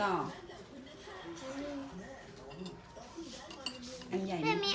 อันนี้